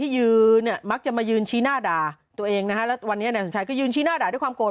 ยืนชี้หน้าด่าตัวเองนะฮะแล้ววันนี้แนนสมชายก็ยืนชี้หน้าด่าด้วยความโกรธ